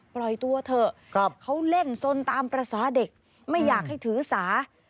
ปล่อยตัวเถอะเขาเล่นสนตามภาษาเด็กไม่อยากให้ถือสา